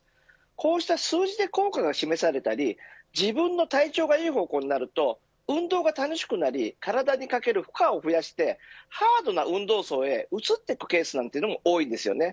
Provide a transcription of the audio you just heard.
こうした数字で効果が示されたり自分の体調がいい方向になると運動が楽しくなり体にかける負荷を増やしてハードな運動へ移っていくケースなんていうのも多いです。